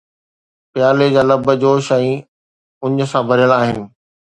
پيالي جا لب جوش ۽ اڃ سان ڀريل آهن